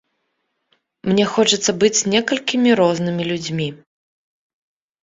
Мне хочацца быць некалькімі рознымі людзьмі.